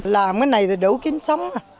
làm cái này thì đủ kiếm sống